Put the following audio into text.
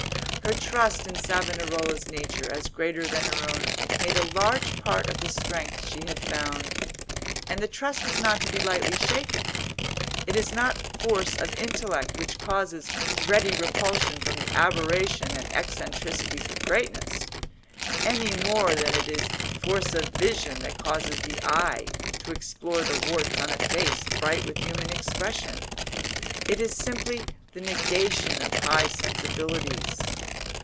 Her trust in Savonarola's nature as greater than her own made a large part of the strength she had found. And the trust was not to be lightly shaken. It is not force of intellect which causes ready repulsion from the aberration and eccentricities of greatness, any more than it is force of vision that causes the eye to explore the warts on a face bright with human expression; it is simply the negation of high sensibilities.